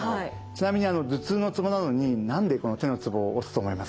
ちなみに頭痛のツボなのに何でこの手のツボを押すと思いますか？